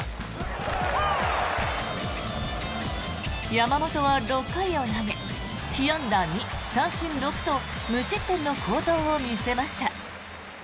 山本は６回を投げ被安打２三振６と無失点の好投を見せました。